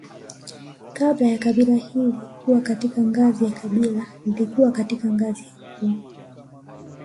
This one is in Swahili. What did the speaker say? Kabla ya kabila hili kuwa katika ngazi ya kabila lilikuwa katika ngazi ya ukoo